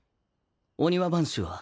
御庭番衆は？